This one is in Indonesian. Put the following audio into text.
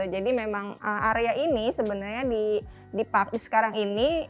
jadi memang area ini sebenarnya di sekarang ini